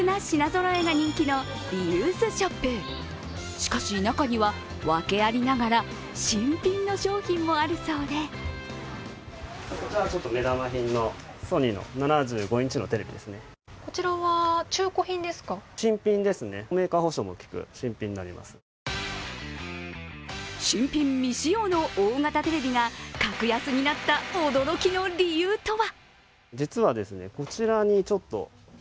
しかし、中には訳ありながら新品の商品もあるそうで新品未使用の大型テレビが格安になった驚きの理由とは？